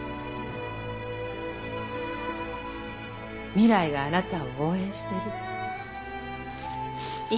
未来があなたを応援してる。